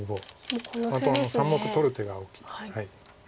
あとは３目取る手が大きい。